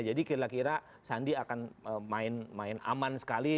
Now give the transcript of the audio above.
jadi kira kira sandi akan main main aman sekali